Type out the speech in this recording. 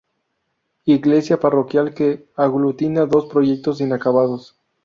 Iglesia parroquial que aglutina dos proyectos inacabados.